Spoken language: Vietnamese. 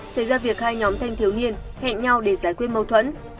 xảy ra việc hai nhóm thanh thiếu niên hẹn nhau để giải quyết mâu thuẫn